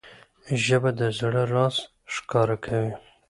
ژبه د زړه راز ښکاره کوي